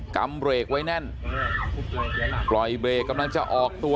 ำเรกไว้แน่นปล่อยเบรกกำลังจะออกตัว